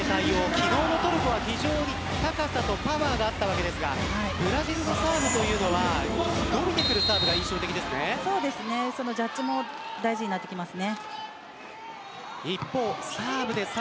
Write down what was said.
昨日のトルコは非常に高さとパワーがあったわけですがブラジルのサーブはそのジャッジも大事になってきます。